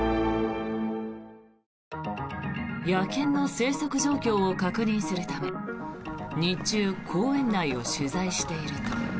野犬の生息状況を確認するため日中公園内を取材していると。